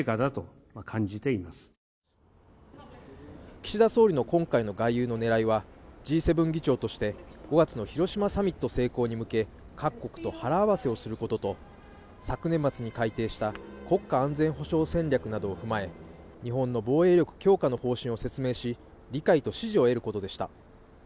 岸田総理の今回の外遊の狙いは、Ｇ７議長として５月の広島サミット成功に向け、各国と腹合わせをすることと昨年末に改定した国家安全保障戦略などを踏まえ日本の防衛力強化の方針を説明し、理解と支持を得ることでした。